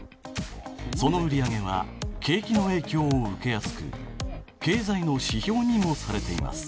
その売り上げは景気の影響を受けやすく経済の指標にもされています。